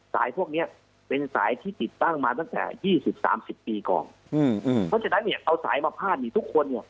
สายพวกนี้เป็นสายที่ติดตั้งมาตั้งแต่๒๐๓๐ปีก่อนเพราะฉะนั้นเอาสายมาภาพทุกคน